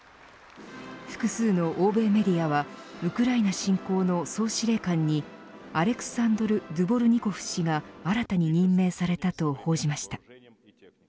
複数の欧米メディアはウクライナ侵攻の総司令官にアレクサンドル・ドゥボルニコフ氏が新たに任命されたと報じました。